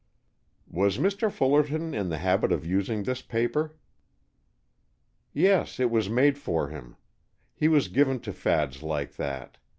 "Was Mr. Fullerton in the habit of using this paper?" "Yes. It was made for him. He was given to fads like that.